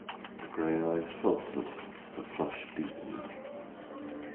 The gray eyes faltered; the flush deepened.